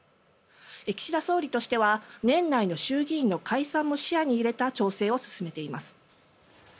岸田総理としては年内の衆議院の解散も視野に入れた調整を進めています。